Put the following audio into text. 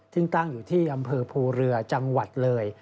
ซึ่งตั้งอยู่ที่อำเภอภูเรือจังหวัดเลย